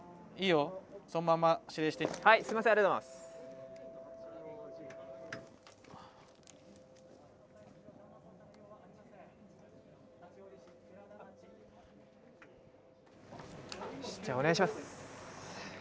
よしじゃあお願いします。